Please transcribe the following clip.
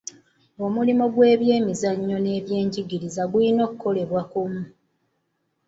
Omulimu gw'ebyemizannyo n'ebyenjigiriza gulina kukolebwa kumu.